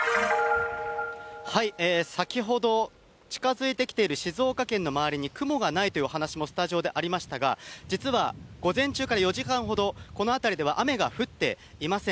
先ほど、近づいてきている静岡県の周りに雲がないというお話もスタジオでありましたが、実は午前中から４時間ほど、この辺りでは雨が降っていません。